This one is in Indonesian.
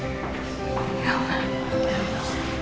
terima kasih bu